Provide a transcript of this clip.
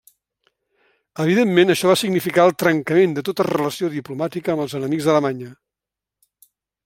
Evidentment això va significar el trencament de tota relació diplomàtica amb els enemics d'Alemanya.